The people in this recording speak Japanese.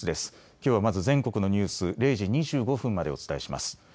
きょうはまず全国のニュース０時２５分までお伝えします。